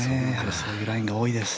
そういうラインが多いです。